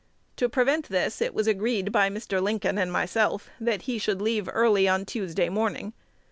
To prevent this, it was agreed by Mr. Lincoln and myself that he should leave early on Tuesday morning.